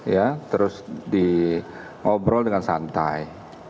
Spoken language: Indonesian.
ya terus diobrol dengan santai